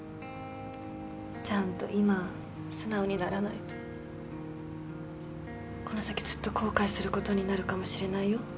ちゃんと今素直にならないとこの先ずっと後悔することになるかもしれないよ？